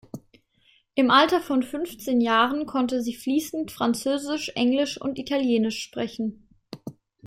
Im Alter von fünfzehn Jahren konnte sie fließend Französisch, Englisch und Italienisch sprechen.